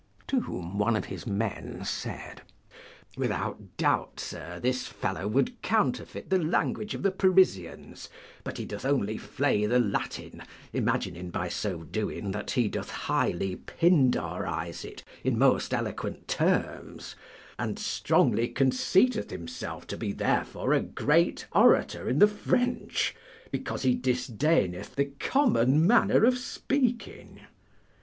To whom one of his men said, Without doubt, sir, this fellow would counterfeit the language of the Parisians, but he doth only flay the Latin, imagining by so doing that he doth highly Pindarize it in most eloquent terms, and strongly conceiteth himself to be therefore a great orator in the French, because he disdaineth the common manner of speaking.